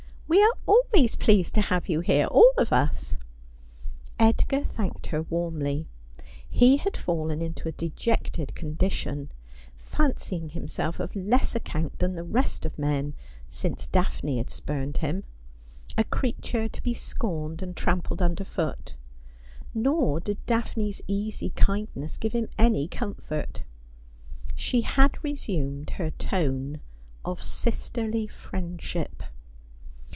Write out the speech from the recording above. ' We are always pleased to have you here — all of us.' Edgar thanked her warmly. He had fallen into a dejected condition ; fancying himself of less account than the rest of men since Daphne had spurned him ; a creature to be scorned and trampled under foot. Xordid Daphne's easy kindness give him any comfort. She had resumed her tone of sisterly friendship.